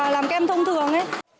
làm kem thông thường